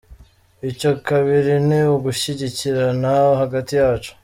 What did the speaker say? Icya kabiri ni ugushyigikirana hagati yacu.